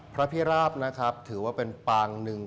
พระภิราพถือว่าเป็นปางหนึ่ง